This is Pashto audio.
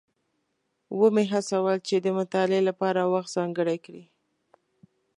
ومې هڅول چې د مطالعې لپاره وخت ځانګړی کړي.